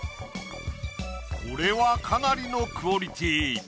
これはかなりのクオリティー。